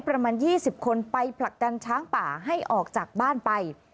ประมาณ๒๐คนไปผลักดันช้างป่าให้ออกจากบ้านไป